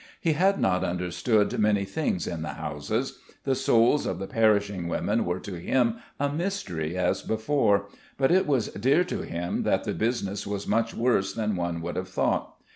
He had not understood many things in the houses. The souls of the perishing women were to him a mystery as before; but it was dear to him that the business was much worse than one would have thought.